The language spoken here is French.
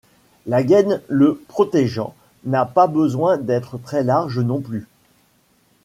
La gaine le protégeant n'a pas besoin d'être très large non plus.